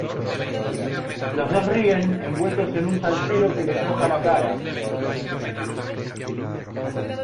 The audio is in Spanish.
los dos ríen envueltos en un salsero que les moja la cara.